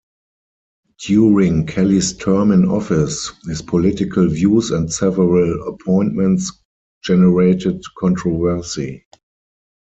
During Kelly's term in office, his political views and several appointments generated controversy.